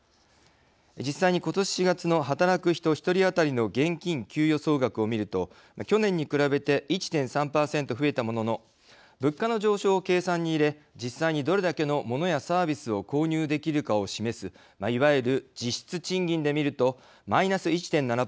実際に、ことし４月の働く人１人当たりの現金給与総額を見ると去年に比べて１．３％増えたものの物価の上昇を計算に入れ実際にどれだけのモノやサービスを購入できるかを示すいわゆる実質賃金で見るとマイナス１．７％。